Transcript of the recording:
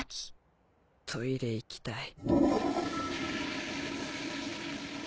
トイレ行きたい。